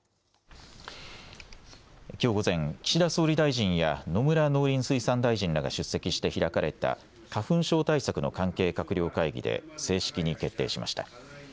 きょう午前、岸田総理大臣や野村農林水産大臣らが出席して開かれた、花粉症対策の関係閣僚会議で正式に決定しました。